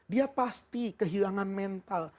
dia pasti kehilangan mental